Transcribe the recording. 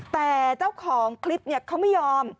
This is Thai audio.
แต่เจ้าของคลิปเขาไม่ยอม